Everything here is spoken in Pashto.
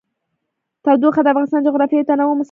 تودوخه د افغانستان د جغرافیوي تنوع مثال دی.